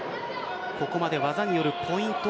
ここまで技によるポイント